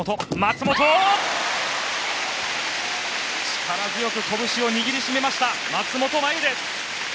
力強く拳を握り締めました松本麻佑です。